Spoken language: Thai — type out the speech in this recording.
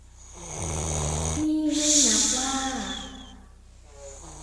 นี่ไม่นับว่า